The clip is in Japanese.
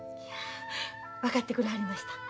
分かってくれはりました？